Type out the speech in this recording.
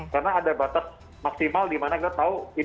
karena ada batas maksimal dimana kita tahu ini benefit berapa